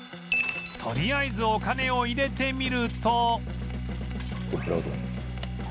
とりあえずお金を入れてみると